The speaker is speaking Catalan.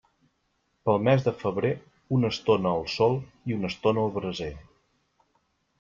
Pel mes de febrer, una estona al sol i una estona al braser.